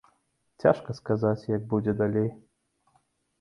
Цяжка сказаць, як будзе далей.